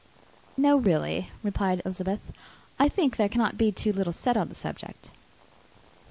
"No, really," replied Elizabeth; "I think there cannot be too little said on the subject."